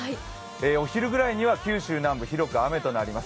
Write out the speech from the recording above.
お昼ぐらいには九州南部広く雨になります。